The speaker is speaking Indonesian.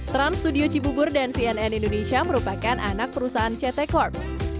trans studio cibubur dan cnn indonesia merupakan anak perusahaan ct corp